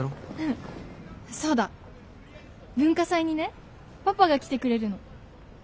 そうだ文化祭にねパパが来てくれるの。